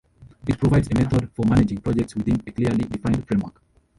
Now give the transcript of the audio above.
It provides a method for managing projects within a clearly defined framework.